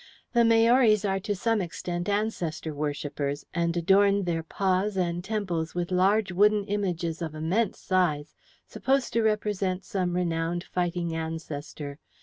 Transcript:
"The Maoris are to some extent ancestor worshippers, and adorn their pahs and temples with large wooden images of immense size, supposed to represent some renowned fighting ancestor.